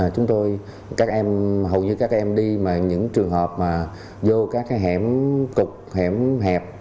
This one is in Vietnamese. chúng tôi hầu như các em đi mà những trường hợp mà vô các cái hẻm cục hẻm hẹp